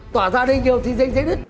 tỏa ra đây nhiều thì sẽ đứt